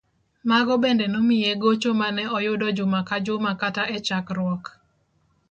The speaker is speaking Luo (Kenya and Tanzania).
Mago bende nomiye gocho mane oyudo juma ka juma kata e chakruok.